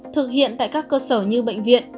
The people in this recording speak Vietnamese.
thực hiện tại các cơ sở như bệnh viện